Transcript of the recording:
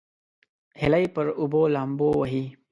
هیلۍ پر اوبو لامبو وهي